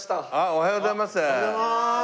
おはようございます！